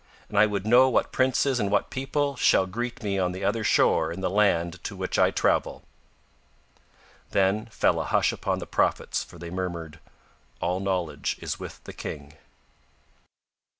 And I would know what princes and what people shall greet me on the other shore in the land to which I travel." Then fell a hush upon the prophets for they murmured: "All knowledge is with the King."